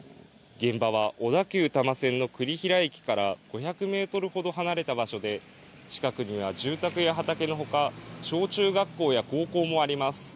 現場は小田急多摩線の栗平駅から５００メートルほど離れた場所で近くには住宅や畑のほか、小中学校や高校もあります。